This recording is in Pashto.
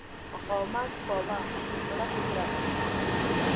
مقاومت کاوه مړه کړل.